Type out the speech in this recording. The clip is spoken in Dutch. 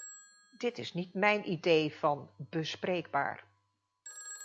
Dit is niet mijn idee van 'bespreekbaar'.